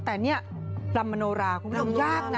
แต่เนี่ยลำมโนราคือไม่ต้องยากนะ